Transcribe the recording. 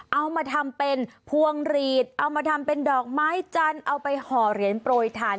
เอามาทำเป็นพวงหลีดเอามาทำเป็นดอกไม้จันทร์เอาไปห่อเหรียญโปรยทาน